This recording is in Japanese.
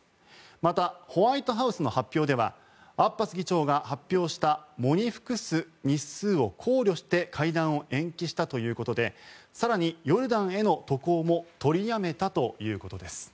また、ホワイトハウスの発表ではアッバス議長が発表した喪に服す日数を考慮して会談を延期したということで更にヨルダンへの渡航も取りやめたということです。